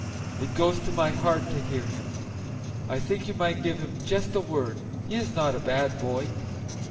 It goes to my heart to hear him. I think you might give him just a word; he is not a bad boy."